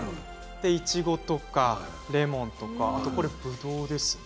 いちごとかレモンとかあと、ぶどうですね。